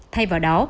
thay vào đó